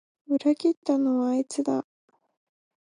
裏切ったのはあいつだ